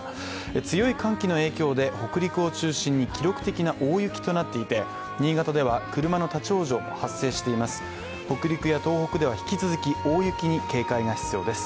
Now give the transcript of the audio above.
強い寒気の影響で北陸を中心に記録的な大雪となっていて、新潟では、車の立往生も発生しています。